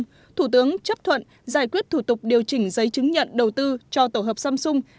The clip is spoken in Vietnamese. tổ hợp samsung thủ tướng chấp thuận giải quyết thủ tục điều chỉnh giấy chứng nhận đầu tư cho tổ hợp samsung